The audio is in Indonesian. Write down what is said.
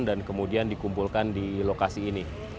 dan kemudian dikumpulkan di lokasi ini